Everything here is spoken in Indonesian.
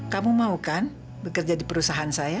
kamu mau kan bekerja di perusahaan saya